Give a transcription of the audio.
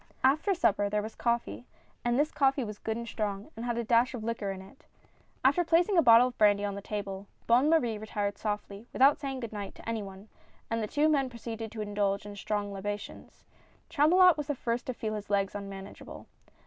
After supper there was coffee, and this coffee was good and strong, and had a dash of liquor in it. After placing a bottle of brandy on the table, Bonne Marie retired softly, without saying good night to any one, and the two men proceeded to indulge in strong libations. Chamulot was the first to feel his legs unmanageable.